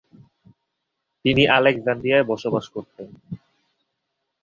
তিনি আলেকজান্দ্রিয়ায় বসবাস করতেন।